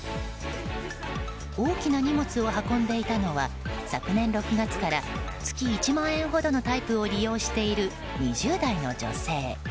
大きな荷物を運んでいたのは昨年６月から月１万円ほどのタイプを利用している２０代の女性。